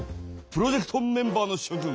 プロジェクトメンバーのしょ君。